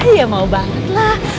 ya mau banget lah